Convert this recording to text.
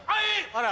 ・あら。